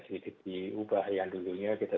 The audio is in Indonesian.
sedikit diubah yang dulunya kita